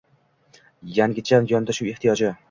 Yangicha yondashuv ehtiyoji